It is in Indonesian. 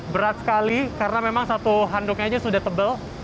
berat sekali karena memang satu handuknya aja sudah tebal